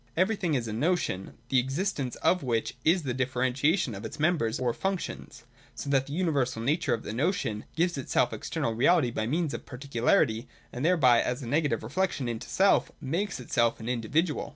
Everything is a notion, the existence of which is the differentiation of its members or functions, so that the universal nature of the Notion gives itself external reality by means of particularity, and thereby, and as a negative reflection into self, makes itself an individual.